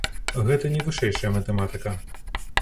Гэта не вышэйшая матэматыка.